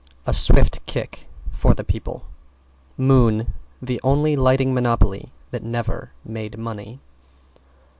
A swift kick for the people. =MOON= The only lighting monopoly that never made money.